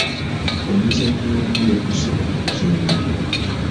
Omuzannyi omu yakosebwa mu luzannya.